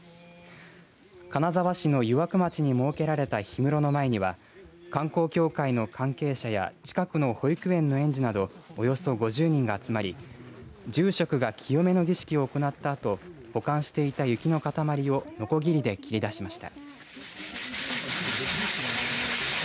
金沢市の湯涌町に設けられた氷室の前には観光協会の関係者や近くの保育園の園児などおよそ５０人が集まり住職が清めの儀式を行ったあと保管していた雪の塊をのこぎりで切り出しました。